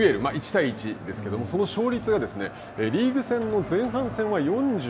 １対１ですけれども、その勝率が、リーグ戦の前半戦は４３％。